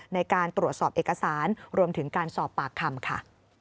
ในการตรวจสอบเอกสารรวมถึงการสอบปากคำค่ะ